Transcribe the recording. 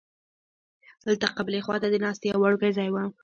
دلته قبلې خوا ته د ناستې یو وړوکی ځای و.